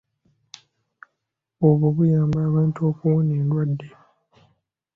Obwo buyamba abantu okuwona endwadde.